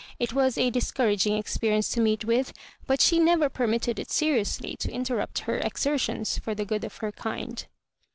It was a discouraging experience to meet with ; but she never permitted it serious ly to interrupt her exertions for the good of her kind.